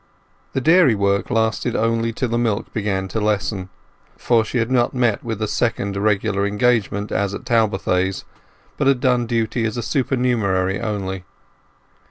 The dairy work lasted only till the milk began to lessen, for she had not met with a second regular engagement as at Talbothays, but had done duty as a supernumerary only.